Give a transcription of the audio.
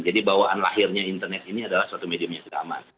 jadi bawaan lahirnya internet ini adalah satu medium yang tidak aman